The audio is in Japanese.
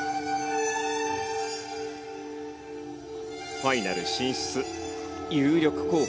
ファイナル進出有力候補の１人です。